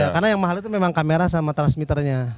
karena yang mahal itu memang kamera sama transmitternya